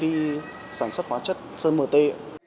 chúng ta đang đi sản xuất hóa chất sơn mờ tê